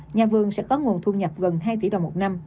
nhà vườn sẽ có nguồn thu nhập gần hai tỷ đồng một năm